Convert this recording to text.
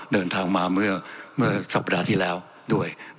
เดินทางมาเมื่อสัปดาห์ที่แล้วด้วย